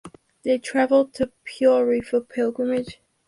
They traveled to Puri for pilgrimage.